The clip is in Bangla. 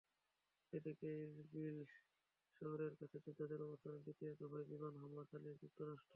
এদিকে ইরবিল শহরের কাছে যোদ্ধাদের অবস্থানে দ্বিতীয় দফায় বিমান হামলা চালিয়েছে যুক্তরাষ্ট্র।